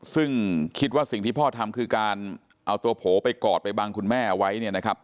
ซึ่งคิดว่าสิ่งที่พ่อทำคือการเอาตัวโผล่ไปกอดไปบังคุณแม่เอาไว้เนี่ยนะครับ